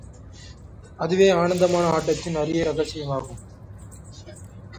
அதுவே, ஆனந்தமான ஆட்டத்தின் அரிய ரகசியமாகும்.